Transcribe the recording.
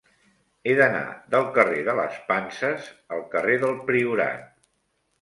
He d'anar del carrer de les Panses al carrer del Priorat.